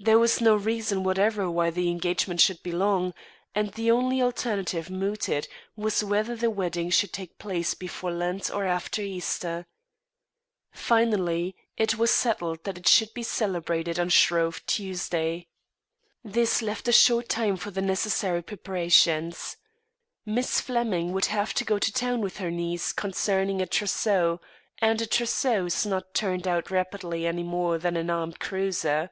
There was no reason whatever why the engagement should be long; and the only alternative mooted was whether the wedding should take place before Lent or after Easter. Finally, it was settled that it should be celebrated on Shrove Tuesday. This left a short time for the necessary preparations. Miss Flemming would have to go to town with her niece concerning a trousseau, and a trousseau is not turned out rapidly any more than an armed cruiser.